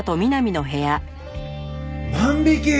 万引き！？